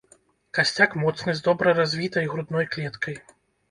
Касцяк моцны з добра развітай грудной клеткай.